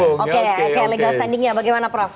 oke oke legal standingnya bagaimana prof